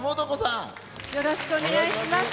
よろしくお願いします。